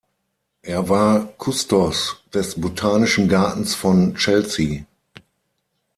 Er war Kustos des Botanischen Gartens von Chelsea.